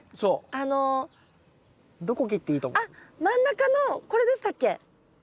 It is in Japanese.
あっ真ん中のこれでしたっけ？